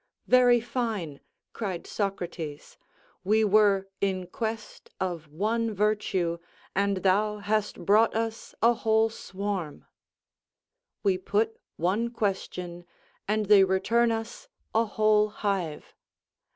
"Very fine," cried Socrates, "we were in quest of one virtue, and thou hast brought us a whole swarm." We put one question, and they return us a whole hive.